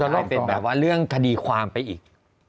ก็เลยเป็นแบบว่าเรื่องคดีความไปอีก